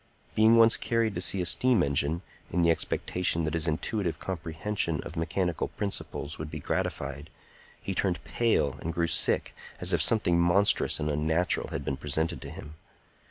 Being once carried to see a steam engine, in the expectation that his intuitive comprehension of mechanical principles would be gratified, he turned pale and grew sick, as if something monstrous and unnatural had been presented to him.